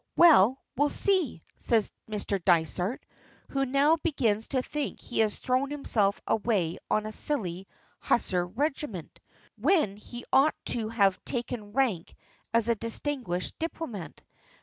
"Well, we'll see," says Mr. Dysart, who now begins to think he has thrown himself away on a silly Hussar regiment, when he ought to have taken rank as a distinguished diplomat.